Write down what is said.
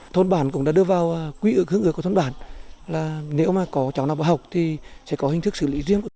thôn bản cũng đã đưa vào quý ước hướng ước của thôn bản là nếu mà có cháu nào bảo học thì sẽ có hình thức xử lý riêng